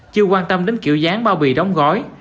chưa quan tâm đến kiểu dáng bao bì đóng gói